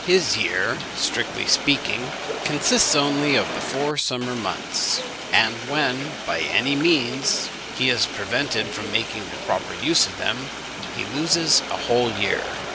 His year, strictly speaking, consists only of the four summer months; and when by any means he is prevented from making the proper use of them, he loses a whole year.